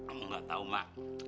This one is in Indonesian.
enggak tahu mak